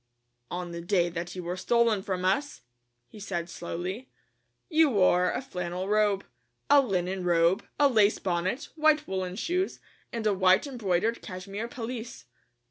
"On the day that you were stolen from us," he said slowly, "you wore a flannel robe, a linen robe, a lace bonnet, white woolen shoes, and a white embroidered cashmere pelisse.